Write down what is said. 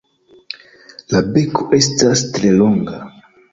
La beko estas tre longa.